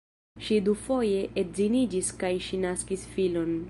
Ŝi dufoje edziniĝis kaj ŝi naskis filon.